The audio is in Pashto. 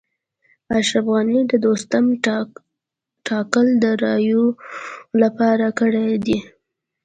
اشرف غني د دوستم ټاکل د رایو لپاره کړي دي